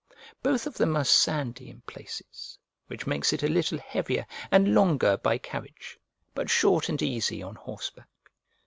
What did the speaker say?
Both of them are sandy in places, which makes it a little heavier and longer by carriage, but short and easy on horseback.